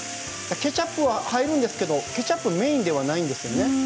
ケチャップは入るんですけれどケチャップメインではないですね。